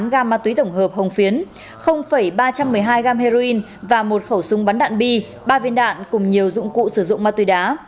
một một trăm năm mươi tám gam ma túy tổng hợp hồng phiến ba trăm một mươi hai gam heroin và một khẩu súng bắn đạn bi ba viên đạn cùng nhiều dụng cụ sử dụng ma túy đá